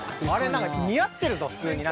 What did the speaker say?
何か似合ってるぞ普通に何か。